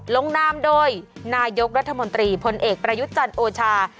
ลงนามโดยนายกรัฐมนตรีพลเอกประยุทธ์จันทร์โอชา